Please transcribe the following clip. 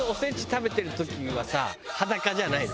食べてる時にはさ裸じゃないの？